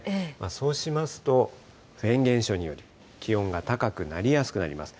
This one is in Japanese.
そうしますと、フェーン現象により、気温が高くなりやすくなります。